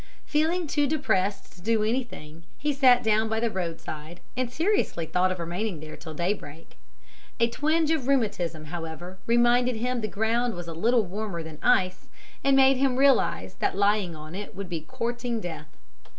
Feeling too depressed to do anything, he sat down by the roadside, and seriously thought of remaining there till daybreak. A twinge of rheumatism, however, reminded him the ground was little warmer than ice, and made him realize that lying on it would be courting death.